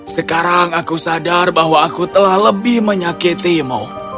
sekarang aku sadar bahwa aku telah lebih menyakitimu